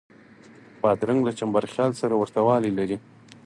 بادرنګ له خیار سره ورته والی لري.